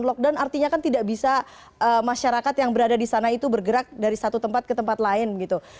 lockdown artinya kan tidak bisa masyarakat yang berada di sana itu bergerak dari satu tempat ke tempat lain gitu